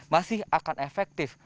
masih akan efektif